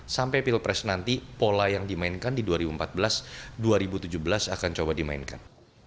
sampai pilpres nanti pola yang dimainkan di dua ribu empat belas dua ribu tujuh belas akan coba dimainkan